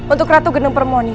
untuk ratu genung permoni